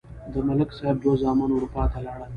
د ملک صاحب دوه زامن اروپا ته لاړل.